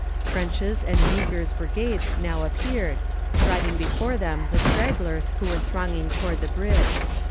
French's and Meagher's brigades now appeared, driving before them the stragglers who were thronging toward the bridge.